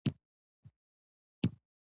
زۀ د شيخ زايد پوهنتون مدير يم.